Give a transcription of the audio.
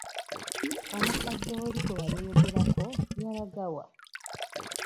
Omukadde oli gwe wali oyogerako yalaga wa?